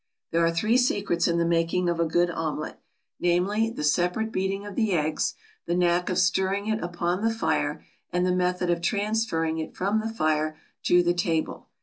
There are three secrets in the making of a good omelette, namely, the separate beating of the eggs, the knack of stirring it upon the fire, and the method of transferring it from the fire to the table.